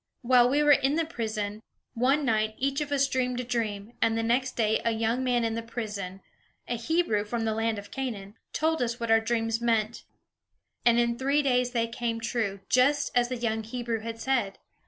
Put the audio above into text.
While we were in the prison, one night each of us dreamed a dream; and the next day a young man in the prison, a Hebrew from the land of Canaan, told us what our dreams meant; and in three days they came true, just as the young Hebrew had said.